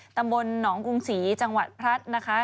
ตำบลหนองกรุงศรีจังหวัดพลัดนะคะ